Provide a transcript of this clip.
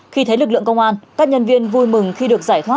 khi thấy lực lượng công an các nhân viên vui mừng khi được giải thoát